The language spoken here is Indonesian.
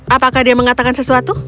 apakah dia mengatakan sesuatu